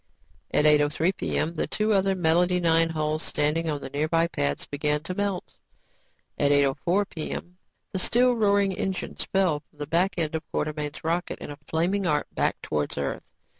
At 8:03 p.m., the two other Melody Mix hulls standing on nearby pads, began to melt. At 8:04 p.m., the still roaring engine fell from the back end of Quartermain's rocket in a flaming arc back towards Earth.